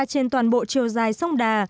ra trên toàn bộ chiều dài sông đà